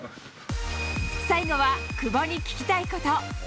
最後は、久保に聞きたいこと。